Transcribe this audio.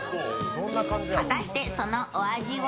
果たして、そのお味は？